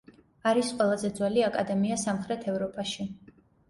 არის ყველაზე ძველი აკადემია სამხრეთ ევროპაში.